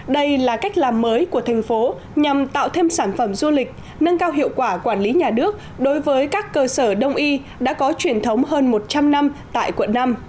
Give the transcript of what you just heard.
đây là cách làm mới của thành phố nhằm tạo thêm sản phẩm du lịch nâng cao hiệu quả quản lý nhà nước đối với các cơ sở đông y đã có truyền thống hơn một trăm linh năm tại quận năm